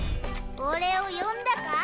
俺を呼んだか？